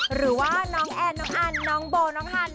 หรือว่าน้องแอนน้องอันน้องโบน้องฮัน